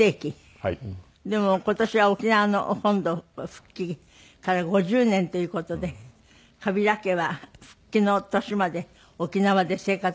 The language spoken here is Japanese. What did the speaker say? でも今年は沖縄の本土復帰から５０年という事で川平家は復帰の年まで沖縄で生活をしていらしたって。